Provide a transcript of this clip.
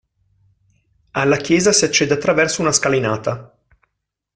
Alla chiesa si accede attraverso una scalinata.